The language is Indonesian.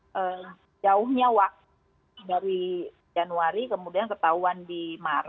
sejauhnya waktu dari januari kemudian ketahuan di maret